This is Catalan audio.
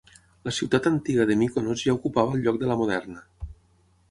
La ciutat antiga de Míkonos ja ocupava el lloc de la moderna.